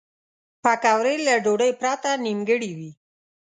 پکورې له ډوډۍ پرته نیمګړې وي